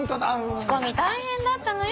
仕込み大変だったのよ